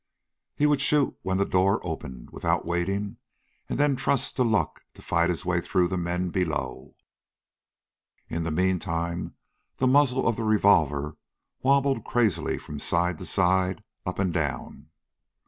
He would shoot when the door opened, without waiting, and then trust to luck to fight his way through the men below. In the meantime the muzzle of the revolver wabbled crazily from side to side, up and down.